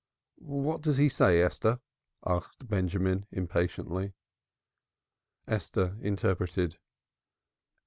"What does he say, Esther?" asked Benjamin, impatiently. Esther interpreted.